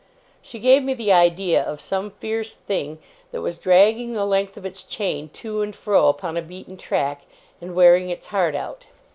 She gave me the idea of some fierce thing, that was dragging the length of its chain to and fro upon a beaten track, and wearing its heart out.